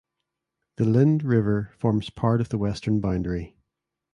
The "Lynd River" forms part of the western boundary.